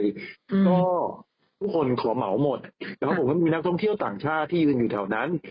ก็ทุกคนขอเหมาหมดแล้วผมก็มีนักท่องเที่ยวต่างชาติที่ยืนอยู่แถวนั้น